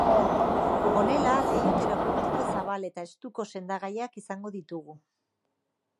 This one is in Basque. Honela leiho terapeutiko zabal eta estuko sendagaiak izango ditugu.